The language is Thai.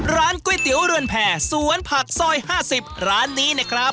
ร้านก๋วยเตี๋ยวเรือนแผ่สวนผักซอย๕๐ร้านนี้นะครับ